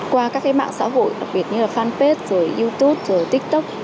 qua các cái mạng xã hội đặc biệt như là fanpage rồi youtube rồi tiktok